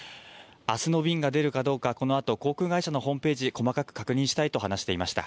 あすの便が出るかどうかこのあと航空会社のホームページ、細かく確認したいと話していました。